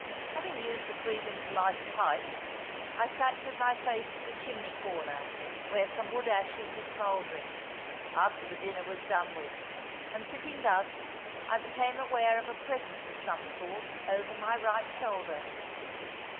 Having used the freedom to light a pipe, I sate with my face to the chimney corner, where some wood ashes were smouldering, after the dinner was done with; and sitting thus, I became aware of a presence of some sort over my right shoulder.